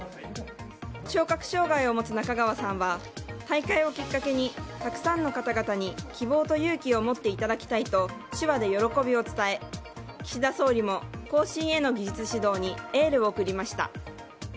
聴覚障害を持つ中川さんは大会をきっかけにたくさんの方々に希望と勇気を持っていただきたいと手話で喜びを伝え岸田総理も後進への技術指導にエールを送りました。